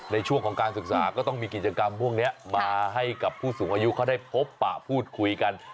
ในช่วงของการศึกษาก็ต้องมีกิจกรรมพวกนี้มาให้กับผู้สูงอายุเขาได้พบปะพูดคุยกัน